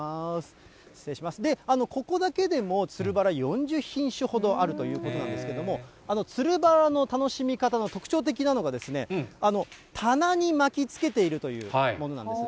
で、ここだけでもつるバラ、４０品種ほどあるということなんですけれども、つるバラの楽しみ方の特徴的なのが、棚に巻きつけているというものなんです。